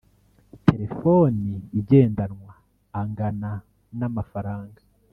Telefoni igendanwa angana n amafaranga